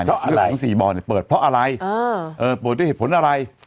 เรื่องของ๔บ่อเปิดเพราะอะไรเปิดด้วยเหตุผลอะไร